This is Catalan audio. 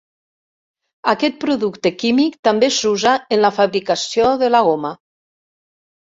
Aquest producte químic també s'usa en la fabricació de la goma.